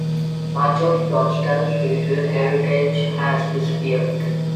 Much of Johnstone's feudal heritage has disappeared.